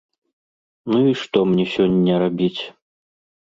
Ну, і што мне сёння рабіць?